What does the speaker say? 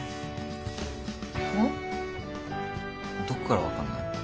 どこから分かんない？